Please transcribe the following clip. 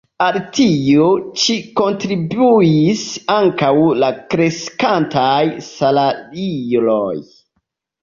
Al tio ĉi kontribuis ankaŭ la kreskantaj salajroj.